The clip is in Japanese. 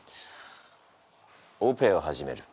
「オペを始める。